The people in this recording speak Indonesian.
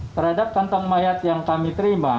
terhadap kantong mayat yang kami terima